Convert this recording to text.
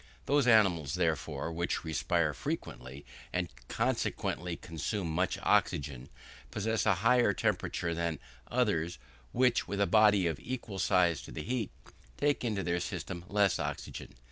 Those animals, therefore, which respire frequently, and consequently consume much oxygen, possess a higher temperature than others, which, with a body of equal size to be heated, take into the system less oxygen.